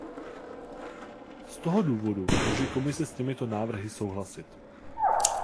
Z toho důvodu může Komise s těmito návrhy souhlasit.